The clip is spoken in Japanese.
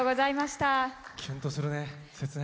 キュンとするね。